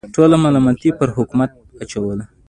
ټوله ملامتي پر حکومت اچوله.